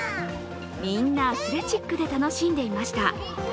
みんなアスレチックで楽しんでいました。